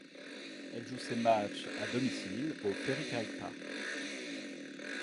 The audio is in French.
Elle joue ses matchs à domicile au Ferrycarrig Park.